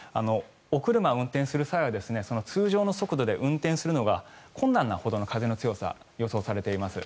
お車を運転する際は通常の速度で運転するのが困難などの風の強さが予想されています。